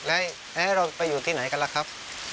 อ้าวไหนไปอยู่ที่ไหนกัน้ะครับ